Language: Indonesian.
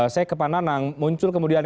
saya ke pak nanang muncul kemudian